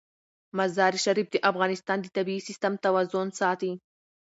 مزارشریف د افغانستان د طبعي سیسټم توازن ساتي.